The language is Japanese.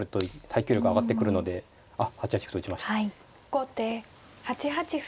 後手８八歩。